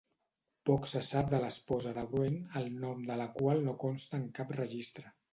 Poc se sap de l'esposa de Wren, el nom de la qual no consta en cap registre.